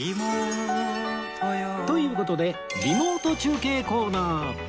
という事でリモート中継コーナー